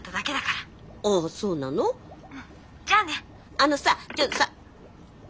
あのさちょっとさ。